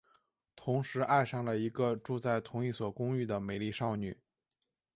同时爱上了一个住在同一所公寓的美丽少女。